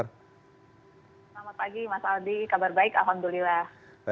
selamat pagi mas aldi kabar baik alhamdulillah